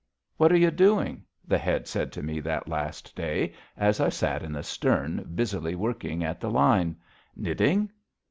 "What are you doing," the Head said to me that last day, as I sat in the stern busily working at the line. "Knitting?"